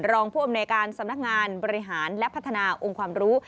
รองผู้อำนวยการสำนักงานบริหารและพัฒนาองค์ความรู้